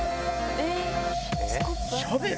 えっ？